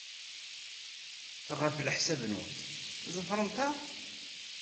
Ɣef leḥsab-nwent, ḍefrent-aɣ-d?